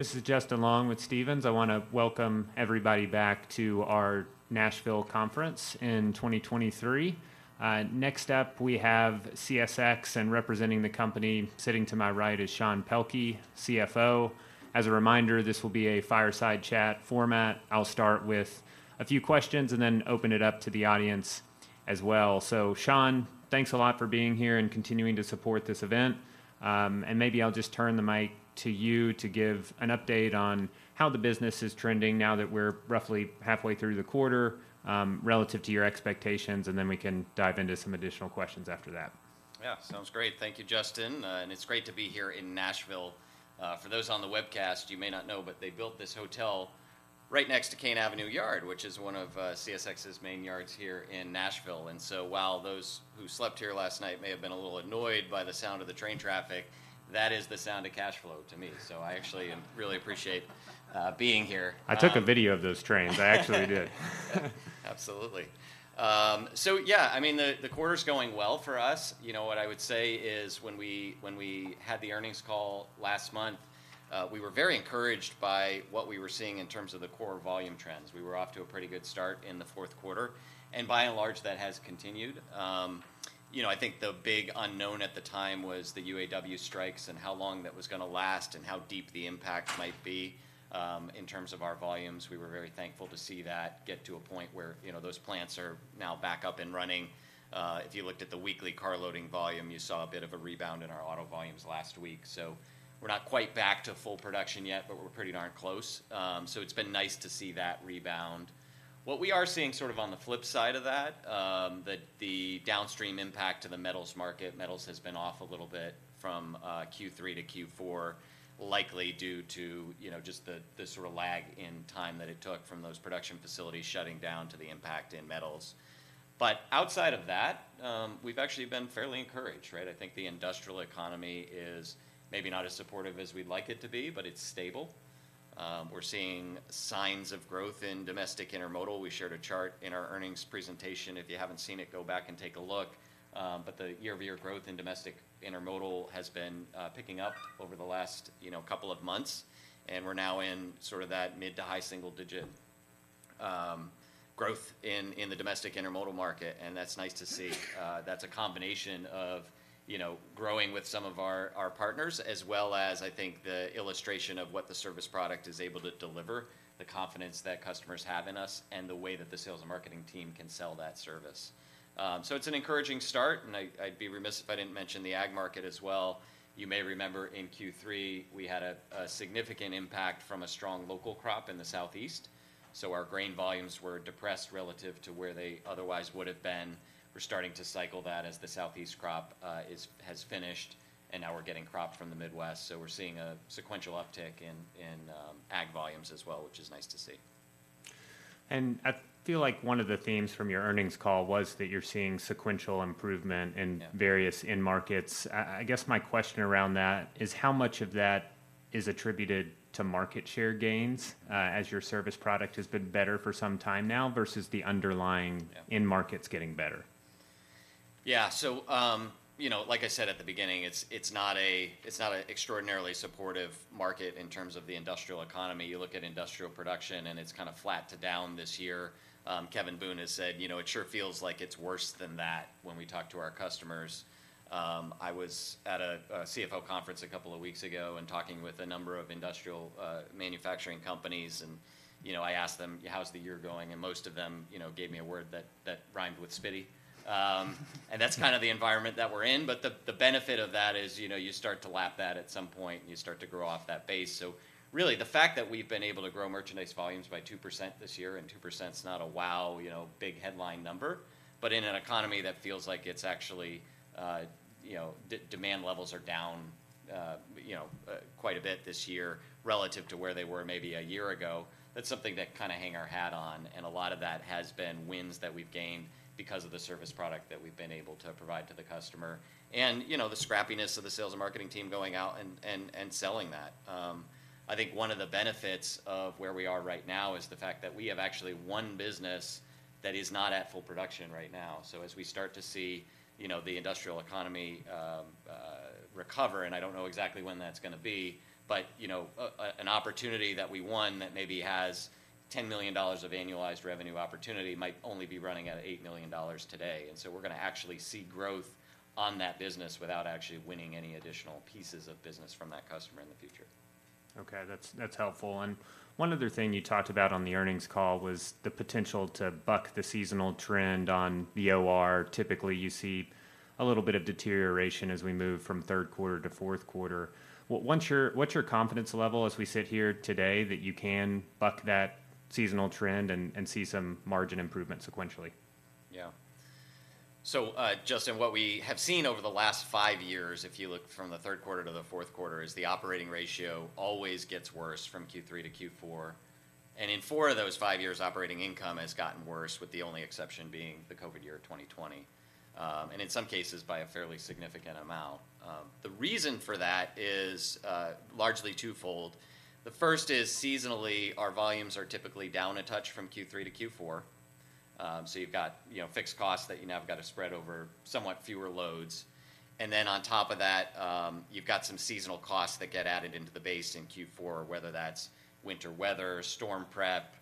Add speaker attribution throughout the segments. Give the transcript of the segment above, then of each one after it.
Speaker 1: This is Justin Long with Stephens. I want to welcome everybody back to our Nashville conference in 2023. Next up, we have CSX, and representing the company, sitting to my right, is Sean Pelkey, CFO. As a reminder, this will be a fireside chat format. I'll start with a few questions and then open it up to the audience as well. So Sean, thanks a lot for being here and continuing to support this event. And maybe I'll just turn the mic to you to give an update on how the business is trending now that we're roughly halfway through the quarter, relative to your expectations, and then we can dive into some additional questions after that.
Speaker 2: Yeah. Sounds great. Thank you, Justin. And it's great to be here in Nashville. For those on the webcast, you may not know, but they built this hotel right next to Kayne Avenue Yard, which is one of CSX's main yards here in Nashville. And so while those who slept here last night may have been a little annoyed by the sound of the train traffic, that is the sound of cash flow to me. So I actually really appreciate being here.
Speaker 1: I took a video of those trains. I actually did.
Speaker 2: Absolutely. So yeah, I mean, the quarter's going well for us. You know, what I would say is when we had the earnings call last month, we were very encouraged by what we were seeing in terms of the core volume trends. We were off to a pretty good start in the fourth quarter, and by and large, that has continued. You know, I think the big unknown at the time was the UAW strikes and how long that was going to last and how deep the impact might be. In terms of our volumes, we were very thankful to see that get to a point where, you know, those plants are now back up and running. If you looked at the weekly car loading volume, you saw a bit of a rebound in our auto volumes last week. So we're not quite back to full production yet, but we're pretty darn close. So it's been nice to see that rebound. What we are seeing sort of on the flip side of that, that the downstream impact to the metals market, metals has been off a little bit from Q3 to Q4, likely due to, you know, just the sort of lag in time that it took from those production facilities shutting down to the impact in metals. But outside of that, we've actually been fairly encouraged, right? I think the industrial economy is maybe not as supportive as we'd like it to be, but it's stable. We're seeing signs of growth in domestic intermodal. We shared a chart in our earnings presentation. If you haven't seen it, go back and take a look. But the year-over-year growth in domestic intermodal has been picking up over the last, you know, couple of months, and we're now in sort of that mid to high single digit growth in the domestic intermodal market, and that's nice to see. That's a combination of, you know, growing with some of our partners, as well as, I think, the illustration of what the service product is able to deliver, the confidence that customers have in us, and the way that the sales and marketing team can sell that service. So it's an encouraging start, and I'd be remiss if I didn't mention the ag market as well. You may remember in Q3, we had a significant impact from a strong local crop in the Southeast, so our grain volumes were depressed relative to where they otherwise would have been. We're starting to cycle that as the Southeast crop has finished, and now we're getting crop from the Midwest. So we're seeing a sequential uptick in ag volumes as well, which is nice to see.
Speaker 1: I feel like one of the themes from your earnings call was that you're seeing sequential improvement in-
Speaker 2: Yeah
Speaker 1: Various end markets. I guess my question around that is: how much of that is attributed to market share gains, as your service product has been better for some time now versus the underlying-
Speaker 2: Yeah
Speaker 1: End markets getting better?
Speaker 2: Yeah. So, you know, like I said at the beginning, it's not an extraordinarily supportive market in terms of the industrial economy. You look at industrial production, and it's kind of flat to down this year. Kevin Boone has said, "You know, it sure feels like it's worse than that when we talk to our customers." I was at a CFO conference a couple of weeks ago and talking with a number of industrial manufacturing companies, and, you know, I asked them, "How's the year going?" And most of them, you know, gave me a word that rhymed with spitty. And that's kind of the environment that we're in. But the benefit of that is, you know, you start to lap that at some point, and you start to grow off that base. So really, the fact that we've been able to grow merchandise volumes by 2% this year, and 2%'s not a wow, you know, big headline number, but in an economy that feels like it's actually, you know, quite a bit this year relative to where they were maybe a year ago, that's something to kind of hang our hat on, and a lot of that has been wins that we've gained because of the service product that we've been able to provide to the customer and, you know, the scrappiness of the sales and marketing team going out and, and, and selling that. I think one of the benefits of where we are right now is the fact that we have actually one business that is not at full production right now. So as we start to see, you know, the industrial economy recover, and I don't know exactly when that's going to be, but, you know, an opportunity that we won that maybe has $10 million of annualized revenue opportunity might only be running at $8 million today. And so we're going to actually see growth on that business without actually winning any additional pieces of business from that customer in the future.
Speaker 1: Okay, that's helpful. And one other thing you talked about on the earnings call was the potential to buck the seasonal trend on the OR. Typically, you see a little bit of deterioration as we move from third quarter to fourth quarter. What's your confidence level as we sit here today that you can buck that seasonal trend and see some margin improvement sequentially?
Speaker 2: Yeah. So, Justin, what we have seen over the last five years, if you look from the third quarter to the fourth quarter, is the operating ratio always gets worse from Q3 to Q4. And in four of those five years, operating income has gotten worse, with the only exception being the COVID year of 2020, and in some cases, by a fairly significant amount. The reason for that is, largely twofold. The first is, seasonally, our volumes are typically down a touch from Q3 to Q4. So you've got, you know, fixed costs that you now have got to spread over somewhat fewer loads. And then on top of that, you've got some seasonal costs that get added into the base in Q4, whether that's winter weather, storm prep,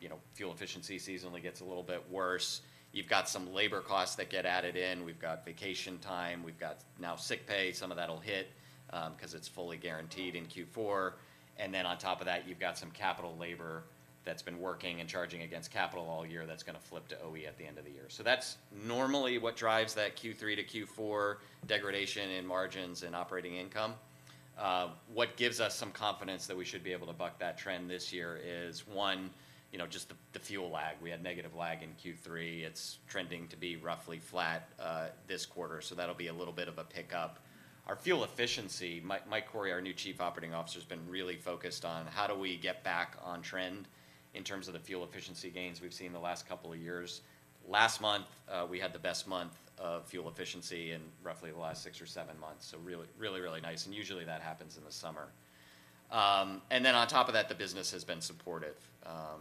Speaker 2: you know, fuel efficiency seasonally gets a little bit worse. You've got some labor costs that get added in. We've got vacation time, we've got now sick pay. Some of that'll hit, 'cause it's fully guaranteed in Q4. And then on top of that, you've got some capital labor that's been working and charging against capital all year that's gonna flip to OE at the end of the year. So that's normally what drives that Q3 to Q4 degradation in margins and operating income. What gives us some confidence that we should be able to buck that trend this year is, one, you know, just the fuel lag. We had negative lag in Q3. It's trending to be roughly flat this quarter, so that'll be a little bit of a pickup. Our fuel efficiency, Mike Cory, our new Chief Operating Officer, has been really focused on how do we get back on trend in terms of the fuel efficiency gains we've seen the last couple of years? Last month, we had the best month of fuel efficiency in roughly the last six or seven months, so really, really, really nice, and usually that happens in the summer. And then on top of that, the business has been supportive.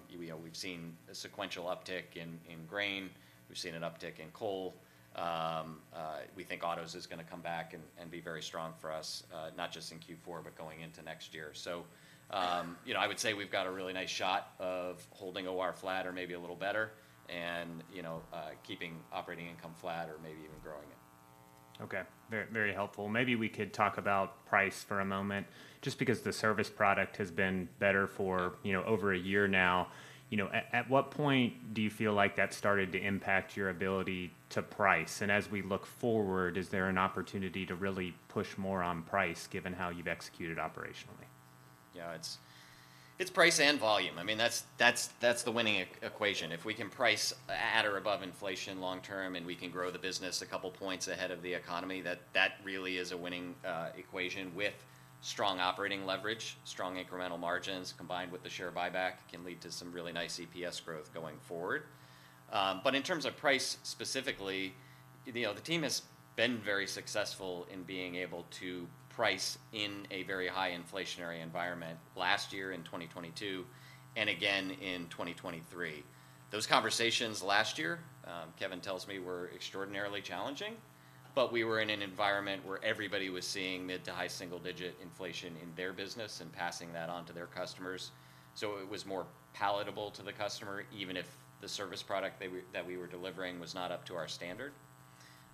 Speaker 2: You know, we've seen a sequential uptick in grain. We've seen an uptick in coal. We think autos is gonna come back and be very strong for us, not just in Q4, but going into next year. You know, I would say we've got a really nice shot of holding OR flat or maybe a little better and, you know, keeping operating income flat or maybe even growing it.
Speaker 1: Okay. Very, very helpful. Maybe we could talk about price for a moment, just because the service product has been better for, you know, over a year now. You know, at what point do you feel like that's started to impact your ability to price? And as we look forward, is there an opportunity to really push more on price, given how you've executed operationally?
Speaker 2: Yeah, it's price and volume. I mean, that's the winning equation. If we can price at or above inflation long term, and we can grow the business a couple points ahead of the economy, that really is a winning equation with strong operating leverage. Strong incremental margins, combined with the share buyback, can lead to some really nice EPS growth going forward. But in terms of price specifically, you know, the team has been very successful in being able to price in a very high inflationary environment last year in 2022 and again in 2023. Those conversations last year, Kevin tells me, were extraordinarily challenging, but we were in an environment where everybody was seeing mid- to high single-digit inflation in their business and passing that on to their customers. So it was more palatable to the customer, even if the service product that we were delivering was not up to our standard.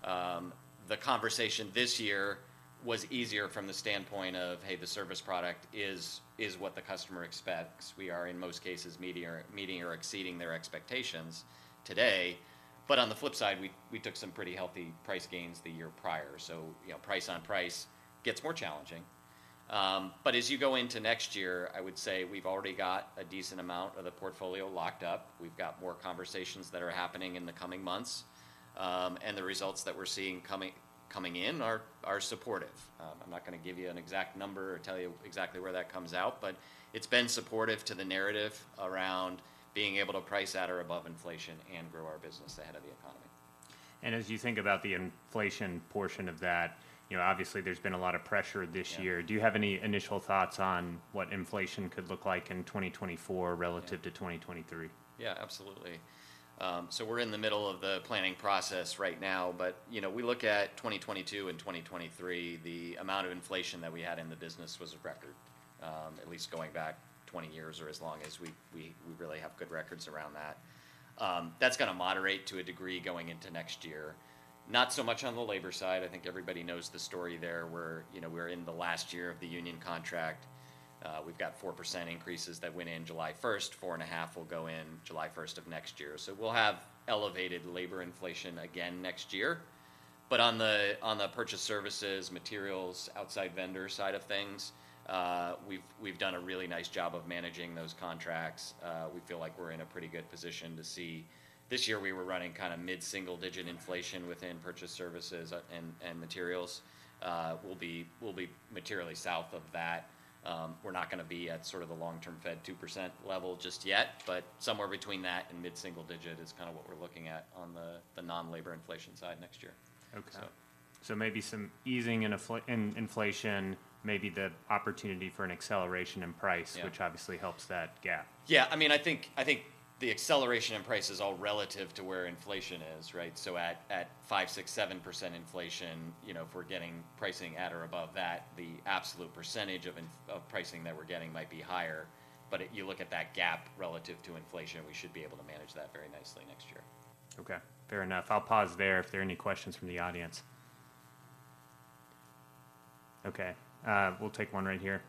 Speaker 2: The conversation this year was easier from the standpoint of, hey, the service product is what the customer expects. We are, in most cases, meeting or exceeding their expectations today. But on the flip side, we took some pretty healthy price gains the year prior. So, you know, price on price gets more challenging. But as you go into next year, I would say we've already got a decent amount of the portfolio locked up. We've got more conversations that are happening in the coming months, and the results that we're seeing coming in are supportive. I'm not gonna give you an exact number or tell you exactly where that comes out, but it's been supportive to the narrative around being able to price at or above inflation and grow our business ahead of the economy.
Speaker 1: As you think about the inflation portion of that, you know, obviously, there's been a lot of pressure this year.
Speaker 2: Yeah.
Speaker 1: Do you have any initial thoughts on what inflation could look like in 2024?
Speaker 2: Yeah
Speaker 1: Relative to 2023?
Speaker 2: Yeah, absolutely. So we're in the middle of the planning process right now, but, you know, we look at 2022 and 2023, the amount of inflation that we had in the business was a record, at least going back 20 years or as long as we really have good records around that. That's gonna moderate to a degree going into next year. Not so much on the labor side. I think everybody knows the story there, where, you know, we're in the last year of the union contract. We've got 4% increases that went in July 1st, 4.5% will go in July 1st of next year. So we'll have elevated labor inflation again next year. But on the purchase services, materials, outside vendor side of things, we've done a really nice job of managing those contracts. We feel like we're in a pretty good position to see. This year, we were running kinda mid-single-digit inflation within purchase services, and materials. We'll be materially south of that. We're not gonna be at sort of the long-term Fed 2% level just yet, but somewhere between that and mid-single-digit is kinda what we're looking at on the non-labor inflation side next year.
Speaker 1: Okay.
Speaker 2: So-
Speaker 1: So maybe some easing in inflation, maybe the opportunity for an acceleration in price-
Speaker 2: Yeah
Speaker 1: Which obviously helps that gap.
Speaker 2: Yeah, I mean, I think, I think the acceleration in price is all relative to where inflation is, right? So at, at 5, 6, 7% inflation, you know, if we're getting pricing at or above that, the absolute percentage of in- of pricing that we're getting might be higher. But if you look at that gap relative to inflation, we should be able to manage that very nicely next year.
Speaker 1: Okay, fair enough. I'll pause there if there are any questions from the audience. Okay, we'll take one right here.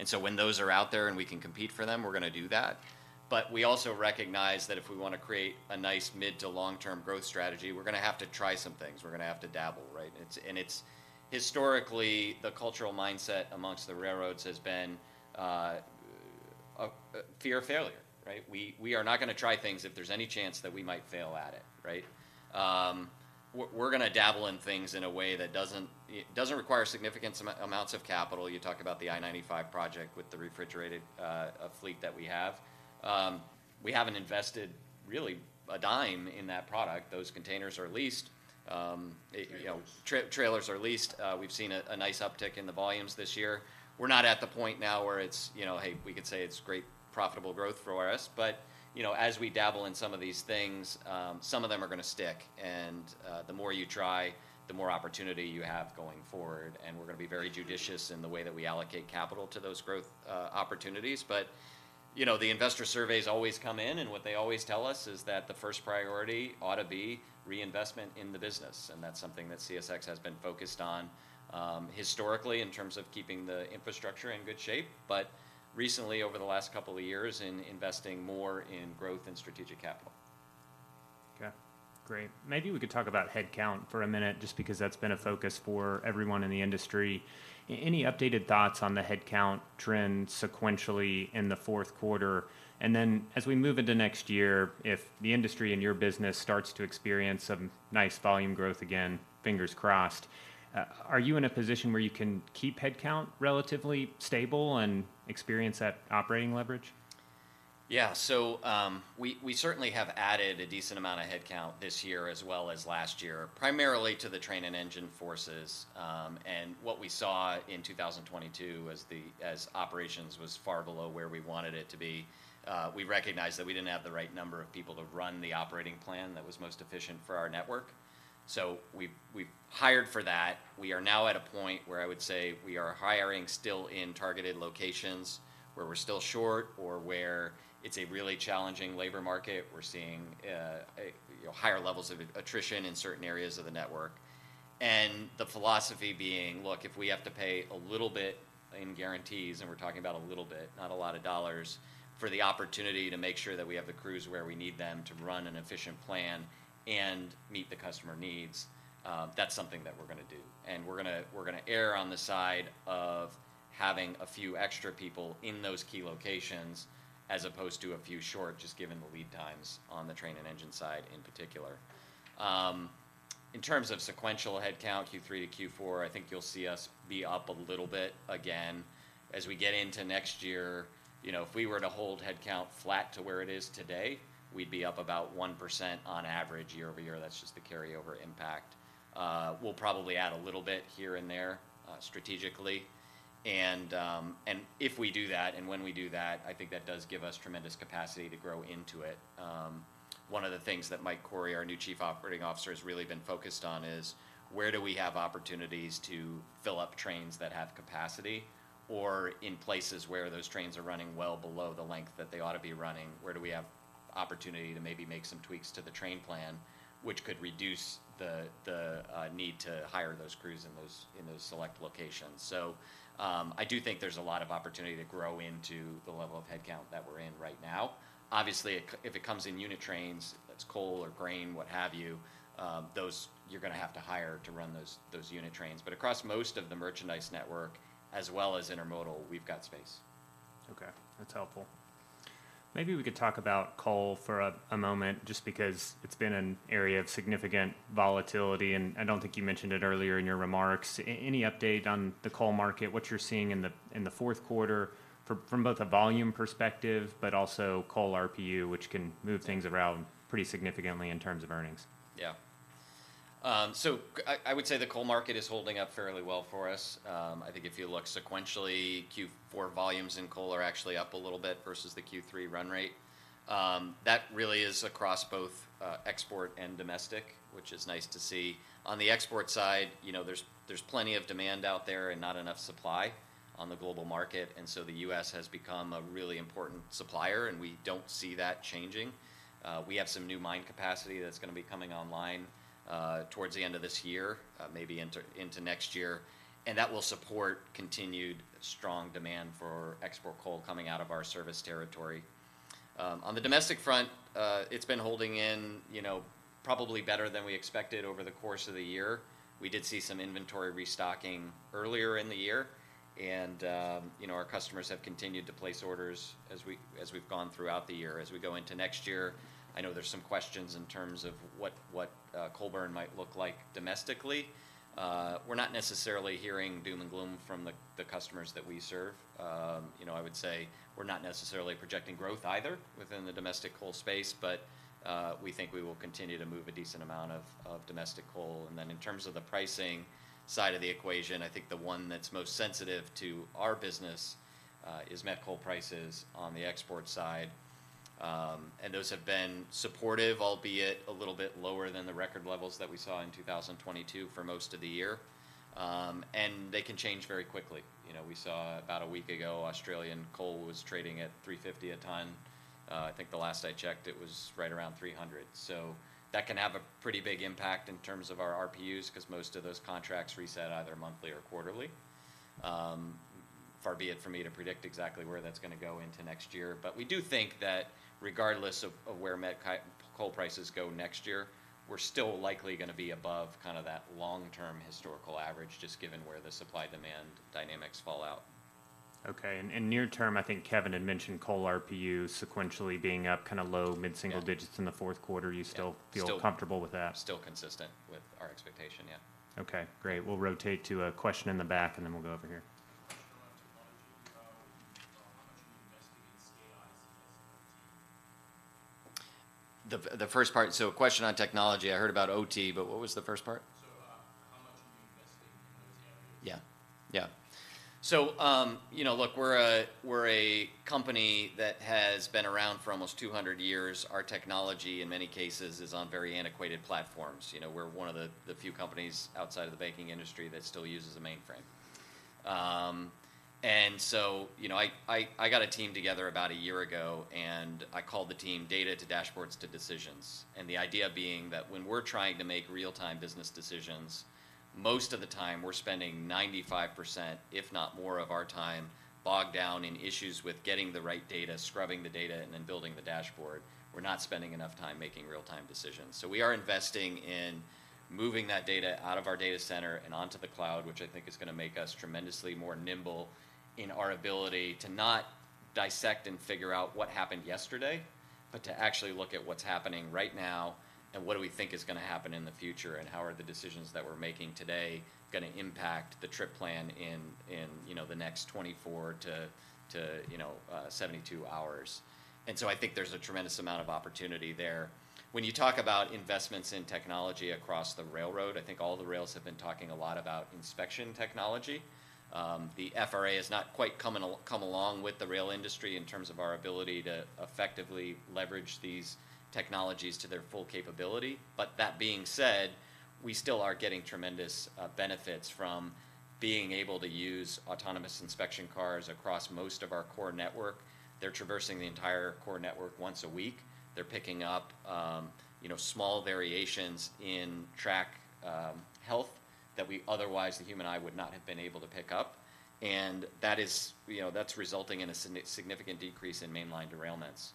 Speaker 2: And so when those are out there and we can compete for them, we're going to do that. But we also recognize that if we want to create a nice mid- to long-term growth strategy, we're going to have to try some things. We're going to have to dabble, right? And it's historically, the cultural mindset amongst the railroads has been, a fear of failure, right? We are not going to try things if there's any chance that we might fail at it, right? We're going to dabble in things in a way that doesn't, it doesn't require significant amounts of capital. You talk about the I-95 project with the refrigerated fleet that we have. We haven't invested really a dime in that product. Those containers are leased. You know, trailers are leased. We've seen a nice uptick in the volumes this year. We're not at the point now where it's, you know, hey, we could say it's great profitable growth for us, but, you know, as we dabble in some of these things, some of them are going to stick. And, the more you try, the more opportunity you have going forward. And we're going to be very judicious in the way that we allocate capital to those growth, opportunities. But, you know, the investor surveys always come in, and what they always tell us is that the first priority ought to be reinvestment in the business, and that's something that CSX has been focused on, historically, in terms of keeping the infrastructure in good shape, but recently, over the last couple of years, in investing more in growth and strategic capital.
Speaker 1: Okay, great. Maybe we could talk about headcount for a minute, just because that's been a focus for everyone in the industry. Any updated thoughts on the headcount trend sequentially in the fourth quarter? And then, as we move into next year, if the industry and your business starts to experience some nice volume growth again, fingers crossed, are you in a position where you can keep headcount relatively stable and experience that operating leverage?
Speaker 2: Yeah. So, we certainly have added a decent amount of headcount this year as well as last year, primarily to the train and engine forces. And what we saw in 2022 as the operations was far below where we wanted it to be, we recognized that we didn't have the right number of people to run the operating plan that was most efficient for our network. So we've hired for that. We are now at a point where I would say we are hiring still in targeted locations where we're still short or where it's a really challenging labor market. We're seeing, you know, higher levels of attrition in certain areas of the network. And the philosophy being, look, if we have to pay a little bit in guarantees, and we're talking about a little bit, not a lot of dollars, for the opportunity to make sure that we have the crews where we need them to run an efficient plan and meet the customer needs, that's something that we're going to do. And we're going to, we're going to err on the side of having a few extra people in those key locations, as opposed to a few short, just given the lead times on the train and engine side in particular. In terms of sequential headcount, Q3 to Q4, I think you'll see us be up a little bit again. As we get into next year, you know, if we were to hold headcount flat to where it is today, we'd be up about 1% on average year-over-year. That's just the carryover impact. We'll probably add a little bit here and there, strategically. And if we do that, and when we do that, I think that does give us tremendous capacity to grow into it. One of the things that Mike Cory, our new Chief Operating Officer, has really been focused on is: where do we have opportunities to fill up trains that have capacity, or in places where those trains are running well below the length that they ought to be running, where do we have opportunity to maybe make some tweaks to the train plan, which could reduce the need to hire those crews in those select locations? So, I do think there's a lot of opportunity to grow into the level of headcount that we're in right now. Obviously, if it comes in unit trains, that's coal or grain, what have you, those you're going to have to hire to run those unit trains. But across most of the merchandise network, as well as intermodal, we've got space.
Speaker 1: Okay, that's helpful. Maybe we could talk about coal for a moment, just because it's been an area of significant volatility, and I don't think you mentioned it earlier in your remarks. Any update on the coal market, what you're seeing in the fourth quarter, from both a volume perspective, but also coal RPU, which can move things around pretty significantly in terms of earnings?
Speaker 2: Yeah. So I would say the coal market is holding up fairly well for us. I think if you look sequentially, Q4 volumes in coal are actually up a little bit versus the Q3 run rate. That really is across both export and domestic, which is nice to see. On the export side, you know, there's plenty of demand out there and not enough supply on the global market, and so the U.S. has become a really important supplier, and we don't see that changing. We have some new mine capacity that's going to be coming online towards the end of this year, maybe into next year, and that will support continued strong demand for export coal coming out of our service territory. On the domestic front, it's been holding in, you know, probably better than we expected over the course of the year. We did see some inventory restocking earlier in the year, and, you know, our customers have continued to place orders as we, as we've gone throughout the year. As we go into next year, I know there's some questions in terms of what coal burn might look like domestically. We're not necessarily hearing doom and gloom from the customers that we serve. You know, I would say we're not necessarily projecting growth either within the domestic coal space, but we think we will continue to move a decent amount of domestic coal. And then in terms of the pricing side of the equation, I think the one that's most sensitive to our business is met coal prices on the export side. And those have been supportive, albeit a little bit lower than the record levels that we saw in 2022 for most of the year. And they can change very quickly. You know, we saw about a week ago, Australian coal was trading at $350 a ton. I think the last I checked, it was right around $300. So that can have a pretty big impact in terms of our RPUs, 'cause most of those contracts reset either monthly or quarterly. Far be it for me to predict exactly where that's gonna go into next year, but we do think that regardless of where met coal prices go next year, we're still likely gonna be above kind of that long-term historical average, just given where the supply-demand dynamics fall out.
Speaker 1: Okay. Near term, I think Kevin had mentioned coal RPU sequentially being up kind of low- to mid-single digits-
Speaker 2: Yeah
Speaker 1: In the fourth quarter.
Speaker 2: Yeah.
Speaker 1: You still feel comfortable with that?
Speaker 2: Still consistent with our expectation, yeah.
Speaker 1: Okay, great. We'll rotate to a question in the back, and then we'll go over here.
Speaker 3: Question on technology. How much are you investing in CIs as well?
Speaker 2: The first part, so a question on technology. I heard about OT, but what was the first part?
Speaker 3: So, how much are you investing in IT?
Speaker 2: Yeah. Yeah. So, you know, look, we're a company that has been around for almost 200 years. Our technology, in many cases, is on very antiquated platforms. You know, we're one of the few companies outside of the banking industry that still uses a mainframe. And so, you know, I got a team together about a year ago, and I called the team Data to Dashboards to Decisions. And the idea being that when we're trying to make real-time business decisions, most of the time, we're spending 95%, if not more, of our time bogged down in issues with getting the right data, scrubbing the data, and then building the dashboard. We're not spending enough time making real-time decisions. So we are investing in moving that data out of our data center and onto the cloud, which I think is gonna make us tremendously more nimble in our ability to not dissect and figure out what happened yesterday, but to actually look at what's happening right now and what do we think is gonna happen in the future, and how are the decisions that we're making today gonna impact the trip plan in the next 24 to 72 hours. And so I think there's a tremendous amount of opportunity there. When you talk about investments in technology across the railroad, I think all the rails have been talking a lot about inspection technology. The FRA has not quite come along with the rail industry in terms of our ability to effectively leverage these technologies to their full capability. But that being said, we still are getting tremendous benefits from being able to use autonomous inspection cars across most of our core network. They're traversing the entire core network once a week. They're picking up, you know, small variations in track health that we otherwise the human eye would not have been able to pick up, and that is... You know, that's resulting in a significant decrease in mainline derailments.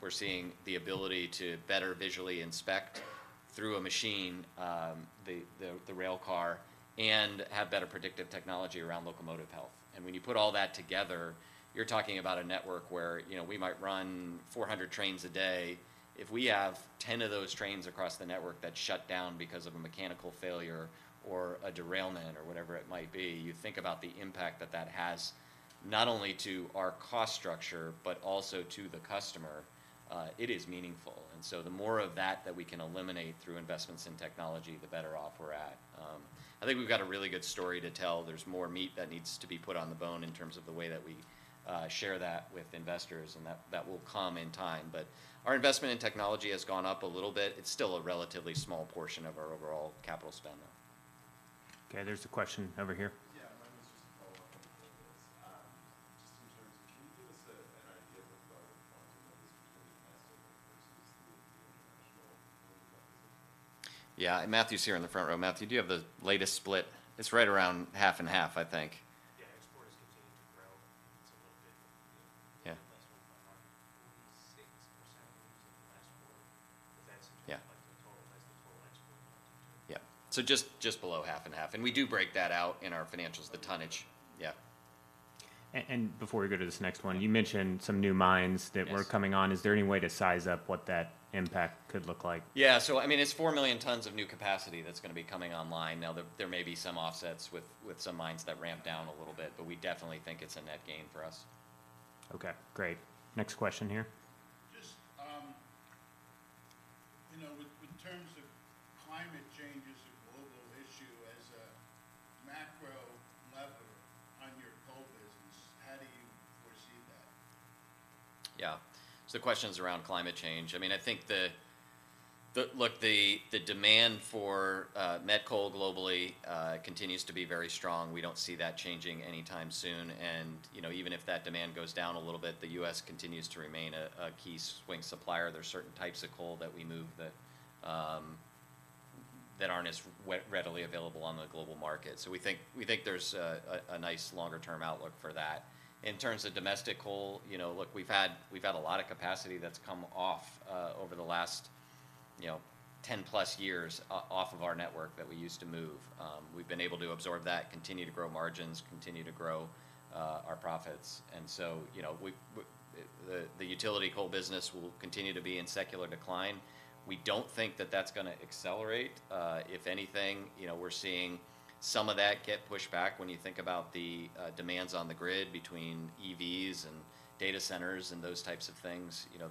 Speaker 2: We're seeing the ability to better visually inspect through a machine the rail car and have better predictive technology around locomotive health. And when you put all that together, you're talking about a network where, you know, we might run 400 trains a day. If we have 10 of those trains across the network that shut down because of a mechanical failure or a derailment or whatever it might be, you think about the impact that that has, not only to our cost structure, but also to the customer. It is meaningful, and so the more of that that we can eliminate through investments in technology, the better off we're at. I think we've got a really good story to tell. There's more meat that needs to be put on the bone in terms of the way that we share that with investors, and that will come in time. But our investment in technology has gone up a little bit. It's still a relatively small portion of our overall capital spend, though.
Speaker 1: Okay, there's a question over here.
Speaker 4: Yeah, mine was just a follow-up on the previous. Just in terms of, can you give us a, an idea of the volume of this between domestic versus the international?
Speaker 2: Yeah. Matthew's here in the front row. Matthew, do you have the latest split? It's right around 50/50, I think.
Speaker 4: Yeah, export has continued to grow. It's a little bit-
Speaker 2: Yeah
Speaker 4: Less than last month, 46% of the last quarter.
Speaker 2: Yeah.
Speaker 4: But that's like the total, that's the total export.
Speaker 2: Yeah. So just below half and half, and we do break that out in our financials, the tonnage.
Speaker 4: Yeah.
Speaker 2: Yeah.
Speaker 1: And before we go to this next one, you mentioned some new mines-
Speaker 2: Yes
Speaker 1: That were coming on. Is there any way to size up what that impact could look like?
Speaker 2: Yeah. So I mean, it's 4 million tons of new capacity that's gonna be coming online. Now, there, there may be some offsets with, with some mines that ramp down a little bit, but we definitely think it's a net gain for us.
Speaker 1: Okay, great. Next question here.
Speaker 5: Just, you know, with in terms of climate change as a global issue, as a macro lever on your coal business, how do you foresee that?
Speaker 2: Yeah. So the question is around climate change. I mean, I think the, the... Look, the, the demand for met coal globally continues to be very strong. We don't see that changing anytime soon, and, you know, even if that demand goes down a little bit, the US continues to remain a key swing supplier. There's certain types of coal that we move that aren't as readily available on the global market. So we think there's a nice longer-term outlook for that. In terms of domestic coal, you know, look, we've had a lot of capacity that's come off over the last 10+ years off of our network that we used to move. We've been able to absorb that, continue to grow margins, continue to grow our profits. So, you know, the utility coal business will continue to be in secular decline. We don't think that that's gonna accelerate. If anything, you know, we're seeing some of that get pushed back when you think about the demands on the grid between EVs and data centers and those types of things. You know,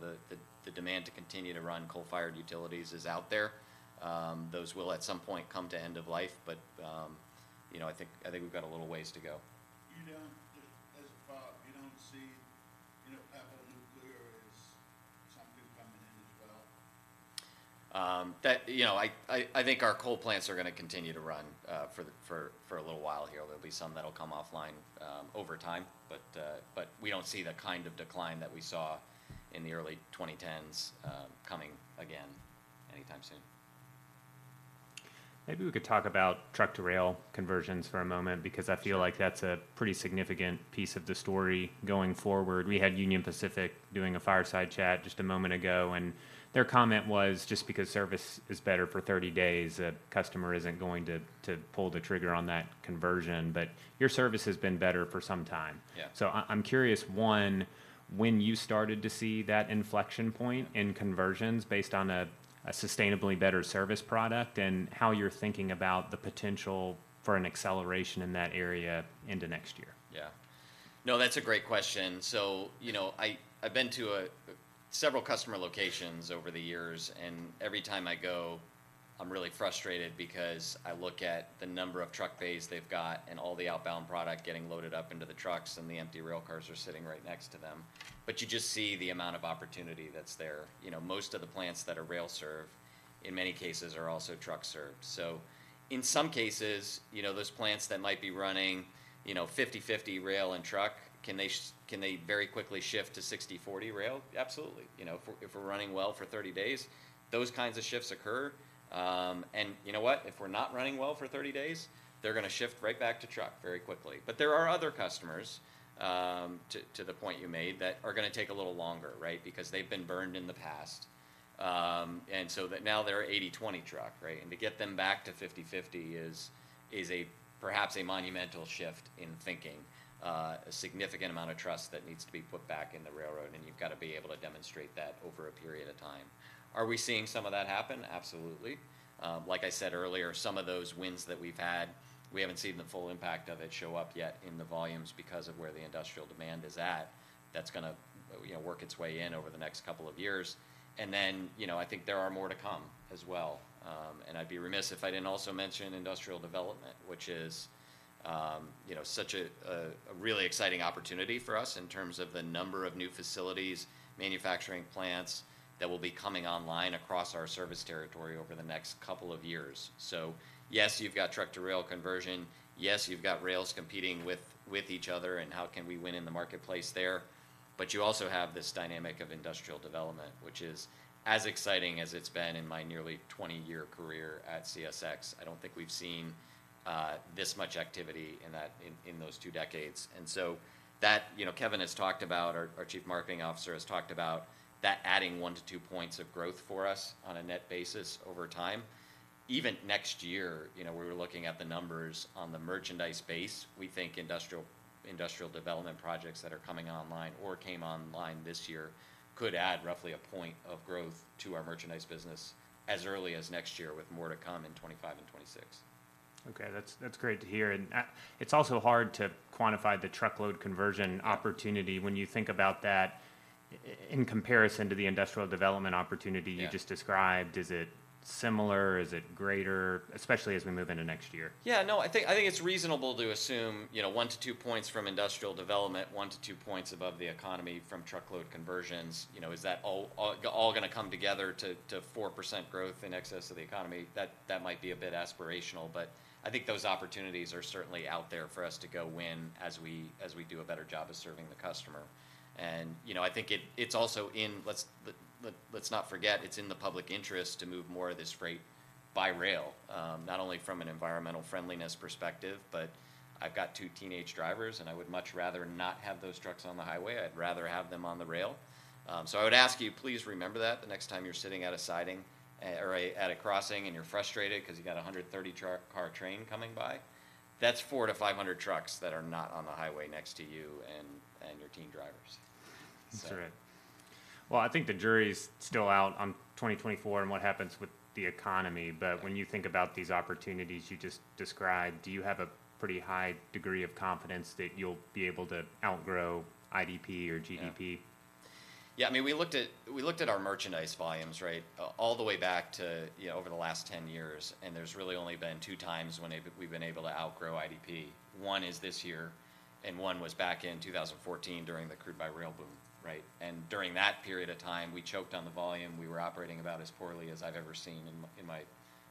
Speaker 2: the demand to continue to run coal-fired utilities is out there. Those will, at some point, come to end of life, but, you know, I think we've got a little ways to go.
Speaker 5: You don't, just as a follow-up, you don't see, you know, power nuclear as something coming in as well?
Speaker 2: You know, I think our coal plants are gonna continue to run for a little while here. There'll be some that'll come offline over time, but but we don't see the kind of decline that we saw in the early 2010s coming again anytime soon.
Speaker 1: Maybe we could talk about truck-to-rail conversions for a moment, because I feel-
Speaker 2: Sure
Speaker 1: Like that's a pretty significant piece of the story going forward. We had Union Pacific doing a fireside chat just a moment ago, and their comment was, just because service is better for 30 days, a customer isn't going to to pull the trigger on that conversion. But your service has been better for some time.
Speaker 2: Yeah.
Speaker 1: I'm curious, one, when you started to see that inflection point in conversions based on a sustainably better service product, and how you're thinking about the potential for an acceleration in that area into next year?
Speaker 2: Yeah. No, that's a great question. So, you know, I, I've been to several customer locations over the years, and every time I go, I'm really frustrated because I look at the number of truck bays they've got and all the outbound product getting loaded up into the trucks, and the empty rail cars are sitting right next to them. But you just see the amount of opportunity that's there. You know, most of the plants that are rail serve, in many cases, are also truck served. So in some cases, you know, those plants that might be running, you know, 50/50 rail and truck, can they very quickly shift to 60/40 rail? Absolutely. You know, if we're, if we're running well for 30 days, those kinds of shifts occur. And you know what? If we're not running well for 30 days, they're gonna shift right back to truck very quickly. But there are other customers, to the point you made, that are gonna take a little longer, right? Because they've been burned in the past. And so now they're 80/20 truck, right? And to get them back to 50/50 is a perhaps a monumental shift in thinking. A significant amount of trust that needs to be put back in the railroad, and you've got to be able to demonstrate that over a period of time. Are we seeing some of that happen? Absolutely. Like I said earlier, some of those wins that we've had, we haven't seen the full impact of it show up yet in the volumes because of where the industrial demand is at. That's gonna, you know, work its way in over the next couple of years. And then, you know, I think there are more to come as well. And I'd be remiss if I didn't also mention industrial development, which is, you know, such a really exciting opportunity for us in terms of the number of new facilities, manufacturing plants, that will be coming online across our service territory over the next couple of years. So yes, you've got truck-to-rail conversion. Yes, you've got rails competing with, with each other, and how can we win in the marketplace there? But you also have this dynamic of industrial development, which is as exciting as it's been in my nearly 20-year career at CSX. I don't think we've seen this much activity in that, in, in those 2 decades. So, that, you know, Kevin has talked about, our Chief Marketing Officer has talked about that adding 1-2 points of growth for us on a net basis over time. Even next year, you know, we're looking at the numbers on the merchandise base. We think industrial development projects that are coming online or came online this year could add roughly 1 point of growth to our merchandise business as early as next year, with more to come in 2025 and 2026.
Speaker 1: Okay, that's, that's great to hear, and it's also hard to quantify the truckload conversion opportunity-
Speaker 2: Yeah
Speaker 1: When you think about that in comparison to the industrial development opportunity-
Speaker 2: Yeah
Speaker 1: You just described. Is it similar? Is it greater, especially as we move into next year?
Speaker 2: Yeah, no, I think it's reasonable to assume, you know, 1-2 points from industrial development, 1-2 points above the economy from truckload conversions. You know, is that all gonna come together to 4% growth in excess of the economy? That might be a bit aspirational, but I think those opportunities are certainly out there for us to go win as we do a better job of serving the customer. And, you know, I think it's also in... Let's not forget, it's in the public interest to move more of this freight by rail, not only from an environmental friendliness perspective, but I've got two teenage drivers, and I would much rather not have those trucks on the highway. I'd rather have them on the rail. So I would ask you, please remember that the next time you're sitting at a siding or at a crossing, and you're frustrated because you've got a 130-car train coming by. That's 400-500 trucks that are not on the highway next to you and your teen drivers. So-
Speaker 1: That's right. Well, I think the jury's still out on 2024 and what happens with the economy, but when you think about these opportunities you just described, do you have a pretty high degree of confidence that you'll be able to outgrow IP or GDP?
Speaker 2: Yeah. Yeah, I mean, we looked at, we looked at our merchandise volumes, right? All the way back to, you know, over the last 10 years, and there's really only been two times when we've been able to outgrow IP. One is this year, and one was back in 2014 during the crude by rail boom, right? And during that period of time, we choked on the volume. We were operating about as poorly as I've ever seen in my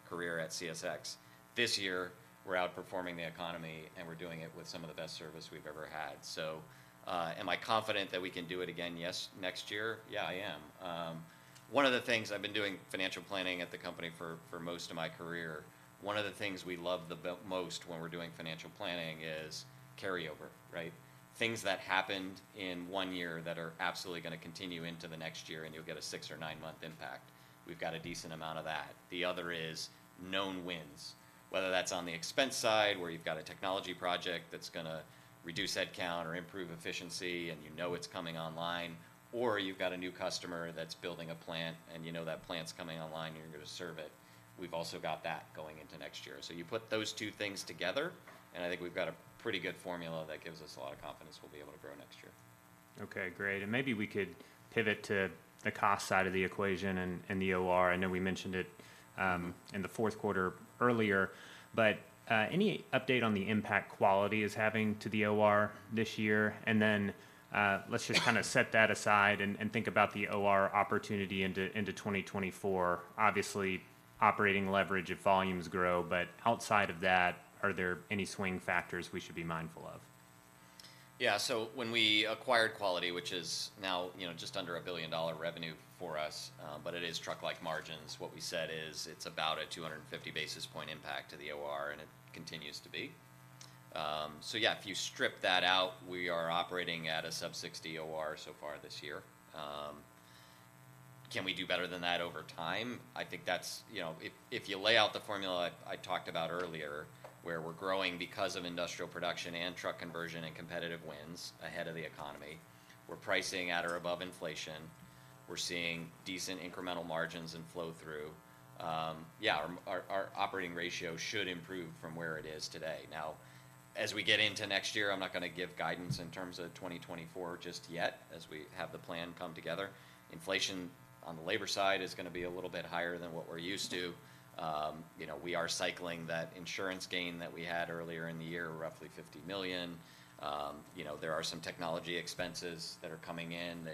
Speaker 2: career at CSX. This year, we're outperforming the economy, and we're doing it with some of the best service we've ever had. So, am I confident that we can do it again, yes, next year? Yeah, I am. One of the things I've been doing financial planning at the company for most of my career, one of the things we love the most when we're doing financial planning is carryover, right? Things that happened in one year that are absolutely gonna continue into the next year, and you'll get a six or nine-month impact. We've got a decent amount of that. The other is known wins, whether that's on the expense side, where you've got a technology project that's gonna reduce headcount or improve efficiency and you know it's coming online, or you've got a new customer that's building a plant and you know that plant's coming online and you're going to serve it. We've also got that going into next year. So you put those two things together, and I think we've got a pretty good formula that gives us a lot... As we'll be able to grow next year.
Speaker 1: Okay, great. And maybe we could pivot to the cost side of the equation and the OR. I know we mentioned it in the fourth quarter earlier, but any update on the impact Quality is having to the OR this year? And then, let's just kind of set that aside and think about the OR opportunity into 2024. Obviously, operating leverage if volumes grow, but outside of that, are there any swing factors we should be mindful of?
Speaker 2: Yeah. So when we acquired Quality, which is now, you know, just under $1 billion revenue for us, but it is truck-like margins, what we said is it's about 250 basis point impact to the OR, and it continues to be. So yeah, if you strip that out, we are operating at a sub-60 OR so far this year. Can we do better than that over time? I think that's. You know, if you lay out the formula I talked about earlier, where we're growing because of industrial production and truck conversion and competitive wins ahead of the economy, we're pricing at or above inflation, we're seeing decent incremental margins and flow-through. Yeah, our operating ratio should improve from where it is today. Now, as we get into next year, I'm not gonna give guidance in terms of 2024 just yet, as we have the plan come together. Inflation on the labor side is gonna be a little bit higher than what we're used to. You know, we are cycling that insurance gain that we had earlier in the year, roughly $50 million. You know, there are some technology expenses that are coming in.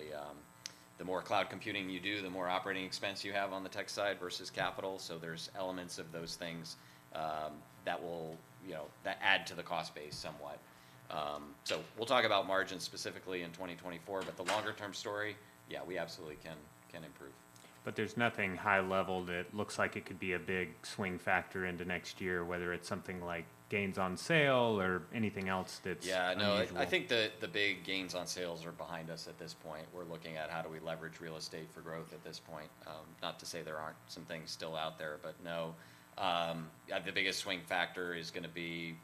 Speaker 2: The more cloud computing you do, the more operating expense you have on the tech side versus capital. So there's elements of those things that will, you know, that add to the cost base somewhat. So we'll talk about margins specifically in 2024, but the longer-term story, yeah, we absolutely can, can improve.
Speaker 1: But there's nothing high level that looks like it could be a big swing factor into next year, whether it's something like gains on sale or anything else that's-
Speaker 2: Yeah,
Speaker 1: Unusual.
Speaker 2: No, I think the big gains on sales are behind us at this point. We're looking at how do we leverage real estate for growth at this point. Not to say there aren't some things still out there, but no, yeah, the biggest swing factor is gonna be,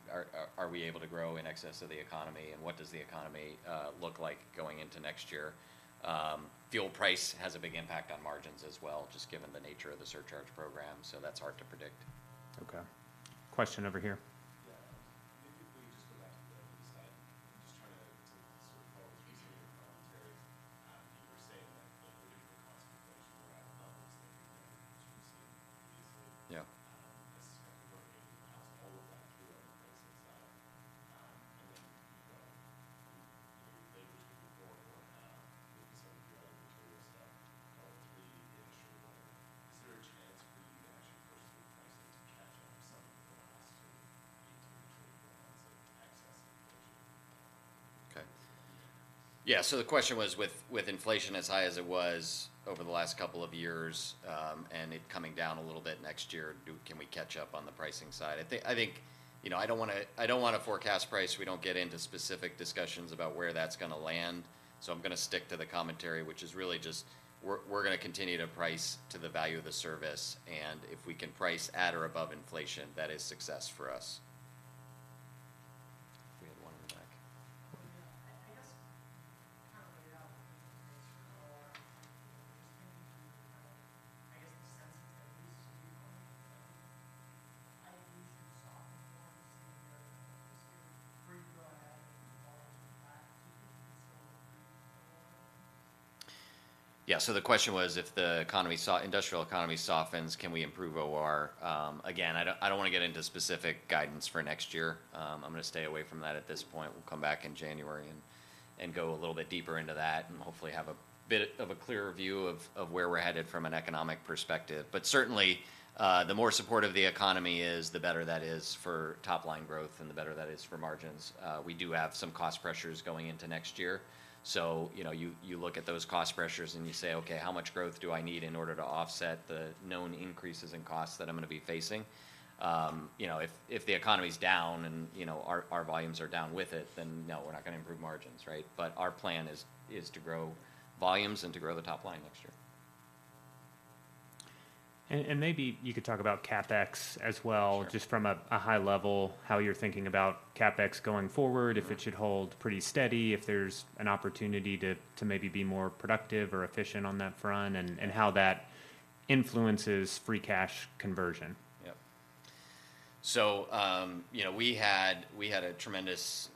Speaker 2: are we able to grow in excess of the economy, and what does the economy look like going into next year? Fuel price has a big impact on margins as well, just given the nature of the surcharge program, so that's hard to predict.
Speaker 1: Okay. Question over here.
Speaker 2: We had one in the back.
Speaker 6: Yeah. I, I guess, kind of like, I guess the sense that this year only, like, I usually soften more to see where this year, where you go ahead and volume back to still-
Speaker 2: Yeah. So the question was, if the industrial economy softens, can we improve OR? Again, I don't, I don't wanna get into specific guidance for next year. I'm gonna stay away from that at this point. We'll come back in January and, and go a little bit deeper into that, and hopefully have a bit of a clearer view of, of where we're headed from an economic perspective. But certainly, the more supportive the economy is, the better that is for top-line growth and the better that is for margins. We do have some cost pressures going into next year. So, you know, you look at those cost pressures, and you say, "Okay, how much growth do I need in order to offset the known increases in costs that I'm gonna be facing?" You know, if the economy's down and, you know, our volumes are down with it, then no, we're not gonna improve margins, right? But our plan is to grow volumes and to grow the top line next year.
Speaker 1: And maybe you could talk about CapEx as well-
Speaker 2: Sure
Speaker 1: Just from a high level, how you're thinking about CapEx going forward-
Speaker 2: Sure
Speaker 1: If it should hold pretty steady, if there's an opportunity to maybe be more productive or efficient on that front, and-
Speaker 2: Yeah
Speaker 1: And how that influences free cash conversion.
Speaker 2: Yep. So, you know, we had a tremendous,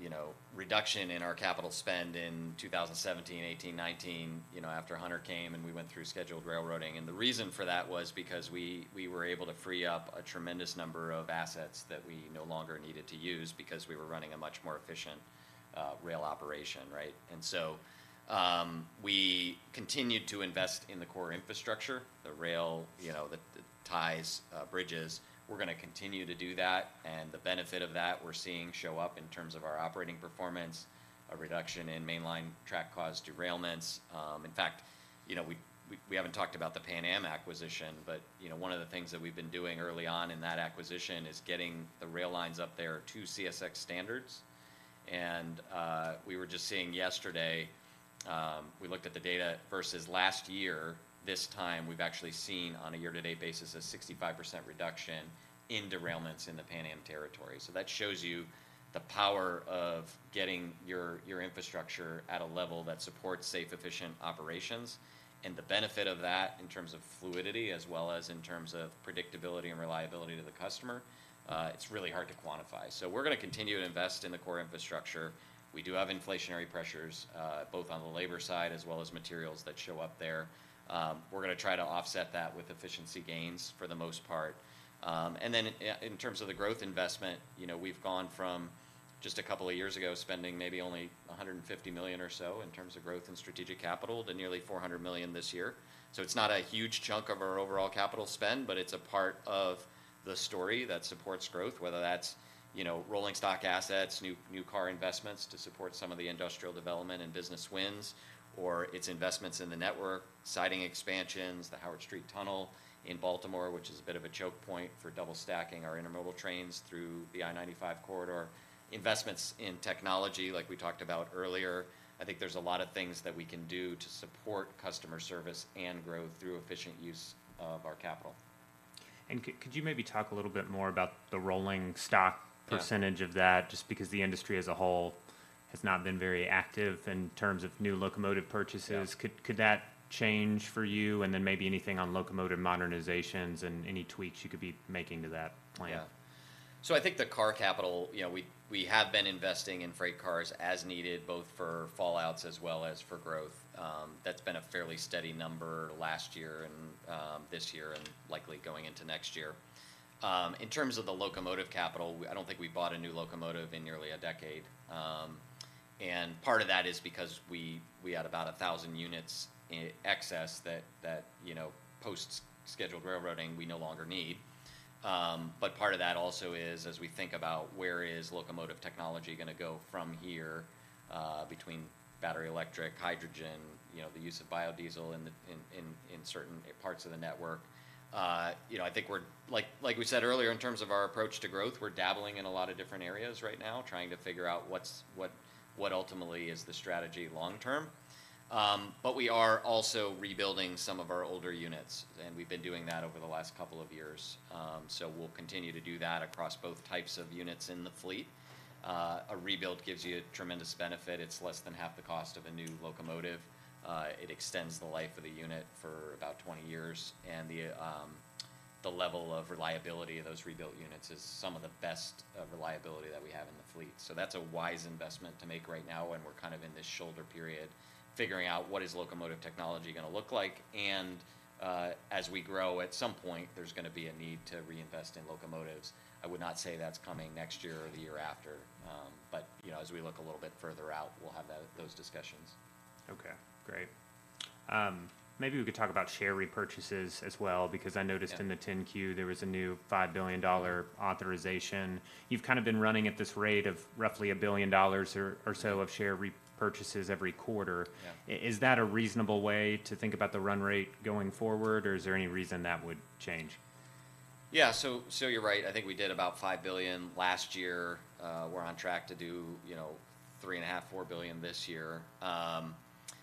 Speaker 2: you know, reduction in our capital spend in 2017, 2018, 2019, you know, after Hunter came, and we went through scheduled railroading. And the reason for that was because we were able to free up a tremendous number of assets that we no longer needed to use because we were running a much more efficient rail operation, right? And so, we continued to invest in the core infrastructure, the rail, you know, the ties, bridges. We're gonna continue to do that, and the benefit of that, we're seeing show up in terms of our operating performance, a reduction in mainline track-caused derailments. In fact, you know, we haven't talked about the Pan Am acquisition, but, you know, one of the things that we've been doing early on in that acquisition is getting the rail lines up there to CSX standards. And, we were just seeing yesterday, we looked at the data versus last year this time. We've actually seen, on a year-to-date basis, a 65% reduction in derailments in the Pan Am territory. So that shows you the power of getting your, your infrastructure at a level that supports safe, efficient operations, and the benefit of that, in terms of fluidity, as well as in terms of predictability and reliability to the customer. It's really hard to quantify. So we're gonna continue to invest in the core infrastructure. We do have inflationary pressures, both on the labor side as well as materials that show up there. We're gonna try to offset that with efficiency gains for the most part. And then in terms of the growth investment, you know, we've gone from just a couple of years ago, spending maybe only $150 million or so in terms of growth and strategic capital, to nearly $400 million this year. So it's not a huge chunk of our overall capital spend, but it's a part of the story that supports growth, whether that's, you know, rolling stock assets, new, new car investments to support some of the industrial development and business wins, or it's investments in the network, siding expansions, the Howard Street Tunnel in Baltimore, which is a bit of a choke point for double stacking our intermodal trains through the I-95 corridor. Investments in technology, like we talked about earlier. I think there's a lot of things that we can do to support customer service and growth through efficient use of our capital.
Speaker 1: Could you maybe talk a little bit more about the rolling stock-
Speaker 2: Yeah
Speaker 1: Percentage of that? Just because the industry as a whole has not been very active in terms of new locomotive purchases.
Speaker 2: Yeah.
Speaker 1: Could that change for you? And then maybe anything on locomotive modernizations and any tweaks you could be making to that plan.
Speaker 2: Yeah. So I think the car capital, you know, we have been investing in freight cars as needed, both for fallouts as well as for growth. That's been a fairly steady number last year and this year, and likely going into next year. In terms of the locomotive capital, I don't think we bought a new locomotive in nearly a decade. And part of that is because we had about 1,000 units in excess that you know, post-scheduled railroading, we no longer need. But part of that also is, as we think about where is locomotive technology gonna go from here, between battery, electric, hydrogen, you know, the use of biodiesel in certain parts of the network. You know, I think we're... Like we said earlier, in terms of our approach to growth, we're dabbling in a lot of different areas right now, trying to figure out what ultimately is the strategy long term. But we are also rebuilding some of our older units, and we've been doing that over the last couple of years. So we'll continue to do that across both types of units in the fleet. A rebuild gives you a tremendous benefit. It's less than half the cost of a new locomotive. It extends the life of the unit for about 20 years, and the level of reliability of those rebuilt units is some of the best reliability that we have in the fleet. So that's a wise investment to make right now, when we're kind of in this shoulder period, figuring out what is locomotive technology gonna look like. And, as we grow, at some point, there's gonna be a need to reinvest in locomotives. I would not say that's coming next year or the year after, but, you know, as we look a little bit further out, we'll have those discussions.
Speaker 1: Okay, great. Maybe we could talk about share repurchases as well, because I noticed-
Speaker 2: Yeah
Speaker 1: In the 10-Q, there was a new $5 billion authorization. You've kind of been running at this rate of roughly $1 billion or so of share repurchases every quarter.
Speaker 2: Yeah.
Speaker 1: Is that a reasonable way to think about the run rate going forward, or is there any reason that would change?
Speaker 2: Yeah, so you're right. I think we did about $5 billion last year. We're on track to do, you know, $3.5-$4 billion this year.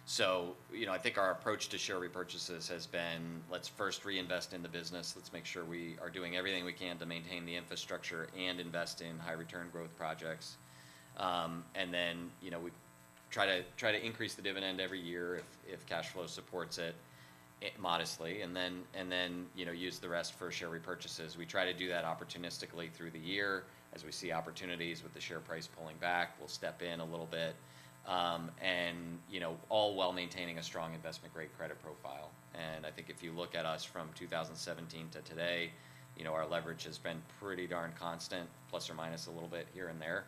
Speaker 2: So, you know, I think our approach to share repurchases has been, let's first reinvest in the business, let's make sure we are doing everything we can to maintain the infrastructure and invest in high return growth projects. And then, you know, we try to increase the dividend every year if cash flow supports it modestly, and then, you know, use the rest for share repurchases. We try to do that opportunistically through the year. As we see opportunities with the share price pulling back, we'll step in a little bit. And, you know, all while maintaining a strong investment grade credit profile. I think if you look at us from 2017 to today, you know, our leverage has been pretty darn constant, plus or minus a little bit here and there.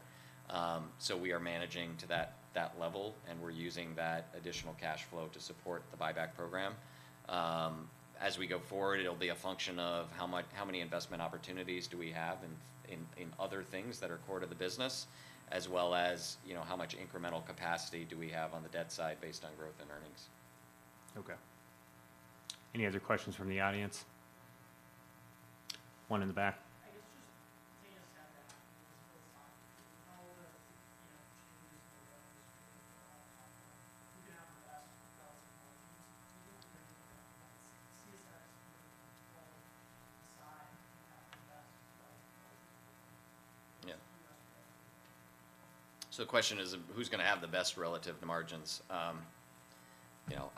Speaker 2: So we are managing to that level, and we're using that additional cash flow to support the buyback program. As we go forward, it'll be a function of how many investment opportunities do we have in other things that are core to the business, as well as, you know, how much incremental capacity do we have on the debt side based on growth and earnings.
Speaker 1: Okay. Any other questions from the audience? One in the back.
Speaker 7: I guess just taking a step back, you know, changes in the industry, who can have the best relative margins?
Speaker 2: Yeah. So the question is, who's gonna have the best relative to margins? You know,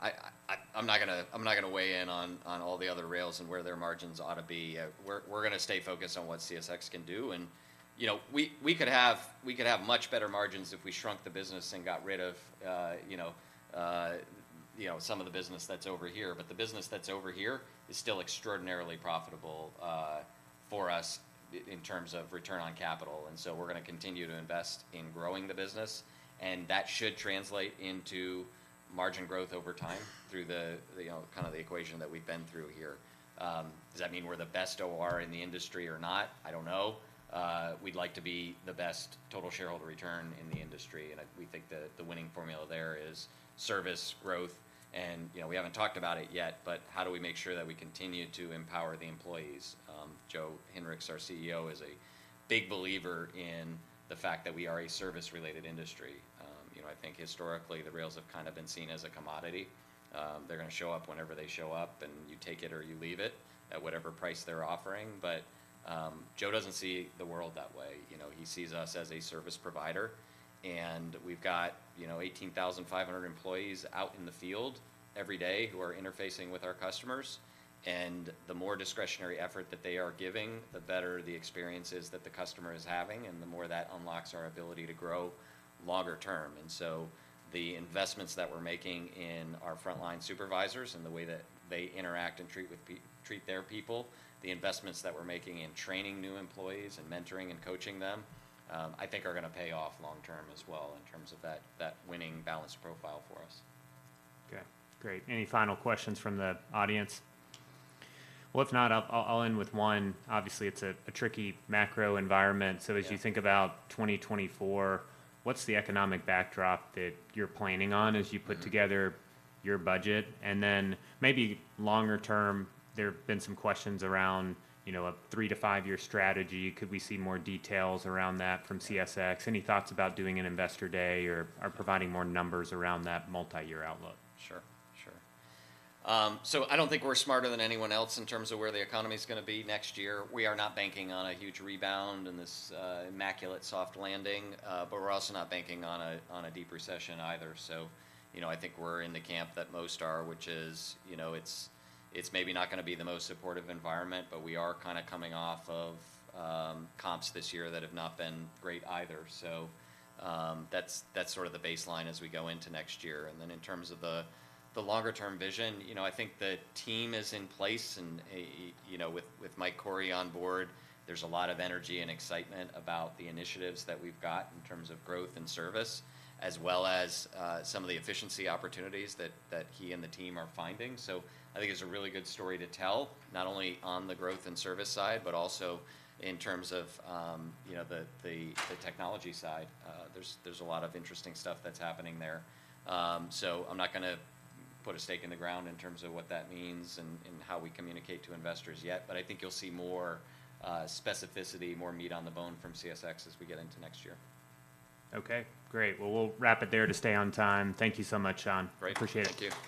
Speaker 2: I'm not gonna weigh in on all the other rails and where their margins ought to be. We're gonna stay focused on what CSX can do. And, you know, we could have much better margins if we shrunk the business and got rid of some of the business that's over here. But the business that's over here is still extraordinarily profitable for us in terms of return on capital. And so we're gonna continue to invest in growing the business, and that should translate into margin growth over time, through the, you know, kind of the equation that we've been through here. Does that mean we're the best OR in the industry or not? I don't know. We'd like to be the best total shareholder return in the industry, and we think that the winning formula there is service, growth, and, you know, we haven't talked about it yet, but how do we make sure that we continue to empower the employees? Joe Hinrichs, our CEO, is a big believer in the fact that we are a service-related industry. You know, I think historically, the rails have kind of been seen as a commodity. They're gonna show up whenever they show up, and you take it or you leave it, at whatever price they're offering. But Joe doesn't see the world that way. You know, he sees us as a service provider, and we've got, you know, 18,500 employees out in the field every day who are interfacing with our customers... and the more discretionary effort that they are giving, the better the experience is that the customer is having, and the more that unlocks our ability to grow longer term. And so the investments that we're making in our frontline supervisors and the way that they interact and treat their people, the investments that we're making in training new employees and mentoring and coaching them, I think are gonna pay off long term as well in terms of that, that winning balance profile for us.
Speaker 1: Okay, great. Any final questions from the audience? Well, if not, I'll end with one. Obviously, it's a tricky macro environment.
Speaker 2: Yeah.
Speaker 1: As you think about 2024, what's the economic backdrop that you're planning on as you-
Speaker 2: Mm-hmm
Speaker 1: Put together your budget? And then maybe longer term, there have been some questions around, you know, a three-to-five-year strategy. Could we see more details around that from CSX? Any thoughts about doing an investor day or, or providing more numbers around that multi-year outlook?
Speaker 2: Sure, sure. So I don't think we're smarter than anyone else in terms of where the economy's gonna be next year. We are not banking on a huge rebound and this immaculate soft landing, but we're also not banking on a deep recession either. So, you know, I think we're in the camp that most are, which is, you know, it's maybe not gonna be the most supportive environment, but we are kinda coming off of comps this year that have not been great either. So, that's sort of the baseline as we go into next year. And then in terms of the longer-term vision, you know, I think the team is in place, and you know, with Mike Cory on board, there's a lot of energy and excitement about the initiatives that we've got in terms of growth and service, as well as some of the efficiency opportunities that he and the team are finding. So I think it's a really good story to tell, not only on the growth and service side, but also in terms of you know, the technology side. There's a lot of interesting stuff that's happening there. So I'm not gonna put a stake in the ground in terms of what that means and, and how we communicate to investors yet, but I think you'll see more specificity, more meat on the bone from CSX as we get into next year.
Speaker 1: Okay, great. Well, we'll wrap it there to stay on time. Thank you so much, Sean.
Speaker 2: Great.
Speaker 1: Appreciate it.
Speaker 2: Thank you.